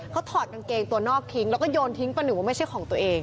เขาถอดกางเกงตัวนอกทิ้งแล้วก็โยนทิ้งประหนึ่งว่าไม่ใช่ของตัวเอง